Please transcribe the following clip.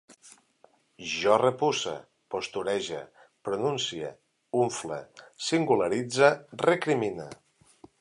Jo repusse, posturege, pronuncie, unfle, singularitze, recrimine